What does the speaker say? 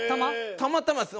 たまたまですね。